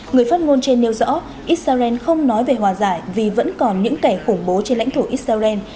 người phát ngôn trên nêu rõ israel không nói về hòa giải vì vẫn còn những kẻ khủng bố trên lãnh thổ israel